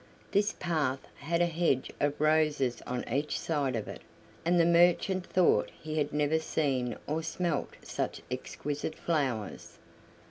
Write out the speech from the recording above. This path had a hedge of roses on each side of it, and the merchant thought he had never seen or smelt such exquisite flowers.